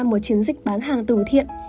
một chiến dịch bán hàng từ thiện